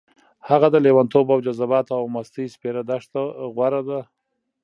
هغه د لېونتوب او جذباتو او مستۍ سپېره دښته غوره ده.